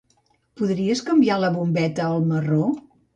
Podries canviar la bombeta al marró?